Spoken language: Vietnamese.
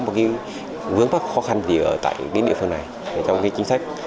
một cái vướng pháp khó khăn gì ở tại địa phương này trong cái chính sách